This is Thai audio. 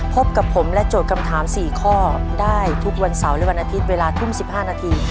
พบกับผมและโจทย์คำถาม๔ข้อได้ทุกวันเสาร์และวันอาทิตย์เวลาทุ่ม๑๕นาที